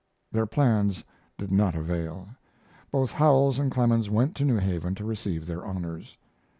Their plans did not avail. Both Howells and Clemens went to New Haven to receive their honors.